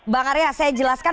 bang arya saya jelaskan